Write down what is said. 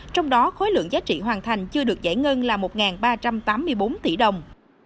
trong đó khối lượng giá trị hoàn thành chưa được giải ngân là một ba trăm tám mươi bốn tỷ đồng